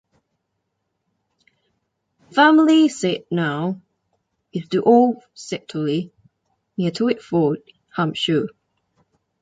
The family seat now is The Old Rectory, near Twyford, Hampshire.